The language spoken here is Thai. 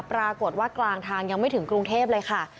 ปรากฏว่ากลางทางยังไม่ถึงกรุงเทพเลยค่ะ